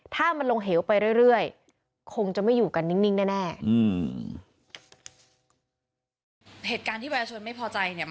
ถ้ามันลงเหวไปเรื่อยคงจะไม่อยู่กันนิ่งแน่อืม